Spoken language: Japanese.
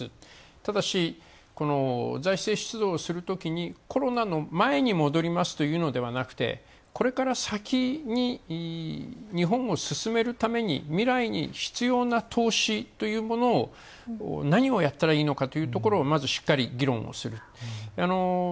ただし、財政出動をするときにコロナの前に戻りますというのではなくてこれから先に日本を進めるために未来に必要な投資というものを何をやったらいいのかというところをしっかり議論する。